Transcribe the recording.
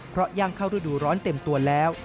เพราะย่างเข้ารูดูร้อนเต็มตัวแล้ว